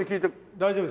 大丈夫です。